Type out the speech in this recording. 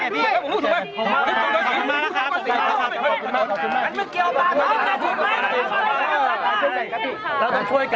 รัฐกิจ